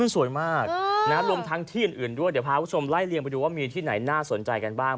สวยมากรวมทั้งที่อื่นด้วยเดี๋ยวพาคุณผู้ชมไล่เลียงไปดูว่ามีที่ไหนน่าสนใจกันบ้าง